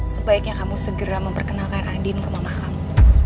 sebaiknya kamu segera memperkenalkan andin ke mama kamu